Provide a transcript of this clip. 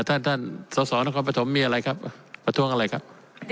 ท่านท่านสอสอนครปฐมมีอะไรครับประท้วงอะไรครับ